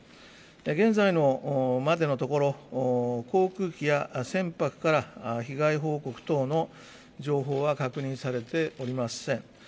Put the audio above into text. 現在までのところ、航空機や船舶から被害報告等の情報は確認されておりません。